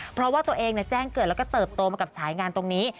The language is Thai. เพราะว่าตัวเองแจ้งเกิดแล้วก็เติบโตมากับสายงานตรงนี้